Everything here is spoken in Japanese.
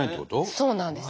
そうなんです。